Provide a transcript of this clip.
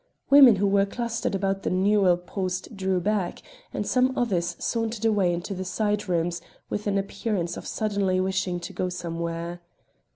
Women who were clustered about the newel post drew back, and some others sauntered away into side rooms with an appearance of suddenly wishing to go somewhere.